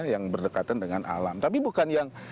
yang berdekatan dengan alam tapi bukan yang